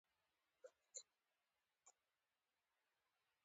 پر پردو اوږو د حاکميت سټېج ته پورته کېدل د ذلت لوی منظر دی.